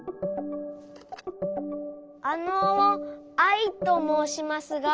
あのアイともうしますが。